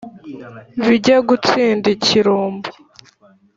Bijyé gutsind ikirumbo